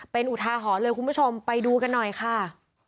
เป็นอุทาหรณ์เลยคุณผู้ชมไปดูกันหน่อยค่ะ